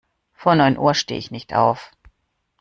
Vor neun Uhr stehe ich nicht auf.